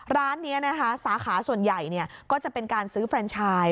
ร้านนี้นะคะสาขาส่วนใหญ่ก็จะเป็นการซื้อเฟรนชาย